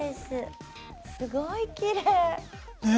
すごいきれい。